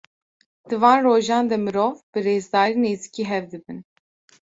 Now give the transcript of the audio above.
Di van rojan de mirov, bi rêzdarî nêzîkî hev dibin.